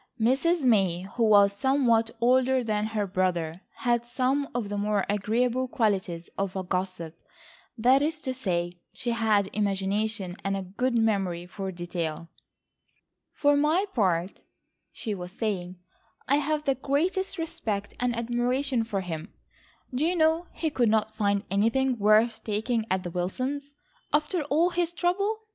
Mrs. May, who was somewhat older than her brother, had some of the more agreeable qualities of a gossip, that is to say she had imagination and a good memory for detail. "For my part," she was saying, "I have the greatest respect and admiration for him. Do you know he could not find anything worth taking at the Wilsons',—after all his trouble.